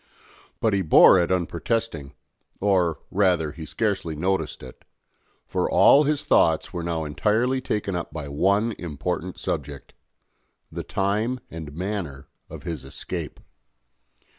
But he bore it unprotesting or, rather, he scarcely noticed it; for all his thoughts were now entirely taken up by one important subject the time and manner of his escape.